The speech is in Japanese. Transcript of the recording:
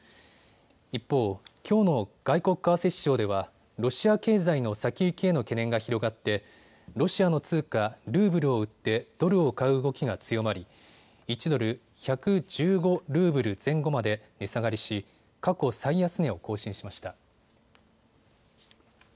一方、きょうの外国為替市場ではロシア経済の先行きへの懸念が広がってロシアの通貨、ルーブルを売ってドルを買う動きが強まり１ドル１１５ルーブル前後まで値下がりし、過去最安値を更新しました。